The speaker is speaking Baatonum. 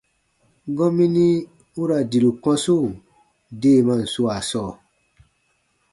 Gɔmini u ra diru kɔ̃su deemaan swaa sɔɔ,